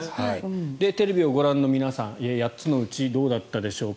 テレビをご覧の皆さん８つのうちどうだったでしょうか。